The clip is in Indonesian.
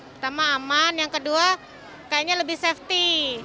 pertama aman yang kedua kayaknya lebih safety